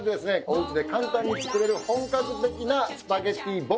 お家で簡単に作れる本格的なスパゲティボンゴレ。